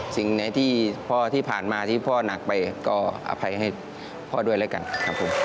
สิ่งไหนที่พ่อที่ผ่านมาที่พ่อหนักไปก็อภัยให้พ่อด้วยแล้วกันครับผม